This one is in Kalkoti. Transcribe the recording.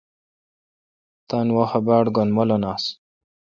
تان وحاؘ باڑ گین مولن آس۔